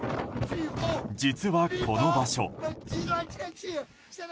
実はこの場所。